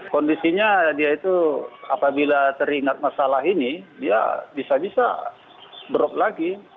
kondisinya dia itu apabila teringat masalah ini dia bisa bisa drop lagi